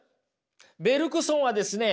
ベルクソンはですね